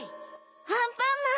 アンパンマン。